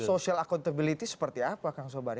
social accountability seperti apa kang sobari